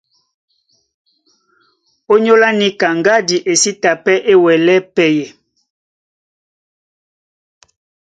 Ónyólá níka, ŋgádi e sí ta pɛ́ é wɛlɛ́ pɛyɛ.